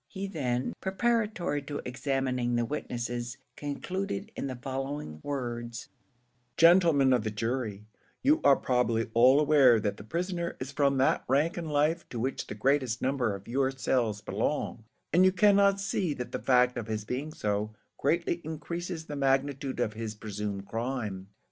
He then, preparatory to examining the witnesses, concluded in the following words, "Gentlemen of the jury, You are probably all aware that the prisoner is from that rank in life to which the greatest number of yourselves belong; and you cannot but see that the fact of his being so, greatly increases the magnitude of his presumed crime.